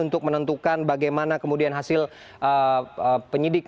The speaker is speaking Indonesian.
untuk menentukan bagaimana kemudian hasil penyidik